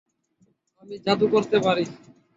আমি জাদু করতে পারি।